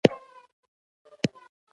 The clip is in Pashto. هر کتاب يو نوی جهان دی.